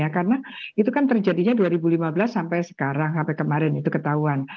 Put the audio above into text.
karena itu kan terjadinya dua ribu lima belas sampai sekarang sampai kemarin itu ketahuan